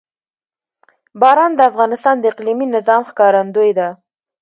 باران د افغانستان د اقلیمي نظام ښکارندوی ده.